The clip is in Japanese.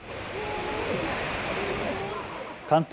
関東